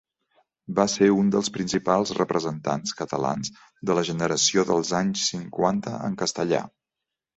Va ser un dels principals representants catalans de la Generació dels Anys Cinquanta en castellà.